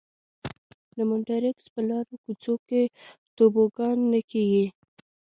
د مونټریکس په لارو کوڅو کې توبوګان نه کېږي.